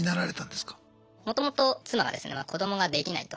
もともと妻がですね子どもができないと。